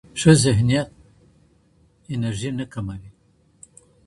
ښه ذهنیت انرژي نه کموي.